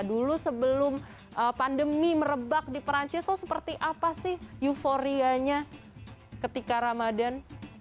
dulu sebelum pandemi merebak di perancis itu seperti apa sih euforianya ketika ramadhan